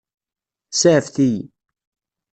Saɛfet-iyi.